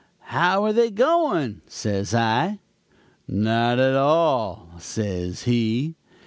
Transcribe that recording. "'How are they going,' says I. "'Not at all,' says he.